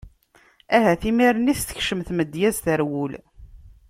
Ahat imir-nni i s-tekcem tmedyazt ɣer wul.